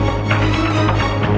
gue harus ikut campur lo